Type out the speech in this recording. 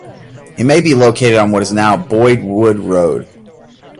It may be located on what is now Boyd Wood Road.